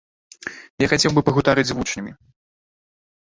Я хацеў бы пагутарыць з вучнямі.